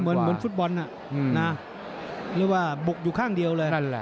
เหมือนฟุตบอลน่ะนะเรียกว่าบุกอยู่ข้างเดียวเลย